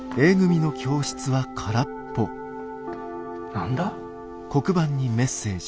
何だ？